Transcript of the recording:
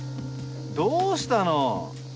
どうしたの？